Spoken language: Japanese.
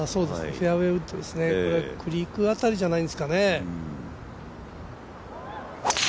フェアウエーウッドですね、クリークあたりじゃないですかね。